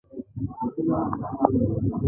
د کیمیاوي موادو کارولو پر مهال دستکشې واغوندئ.